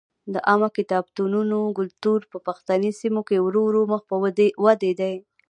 د عامه کتابتونونو کلتور په پښتني سیمو کې ورو ورو مخ په ودې دی.